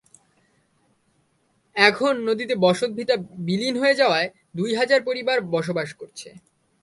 এখন নদীতে বসতভিটা বিলীন হয়ে যাওয়ায় দুই হাজার পরিবার বসবাস করছে।